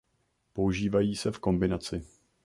Používají se v kombinaci.